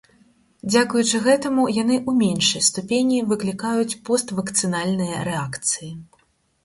Дзякуючы гэтаму, яны ў меншай ступені выклікаюць поствакцынальныя рэакцыі.